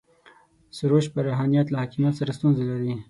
سروش پر روحانیت له حاکمیت سره ستونزه لري.